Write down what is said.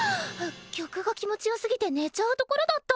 曲が気持ちよすぎて寝ちゃうところだった。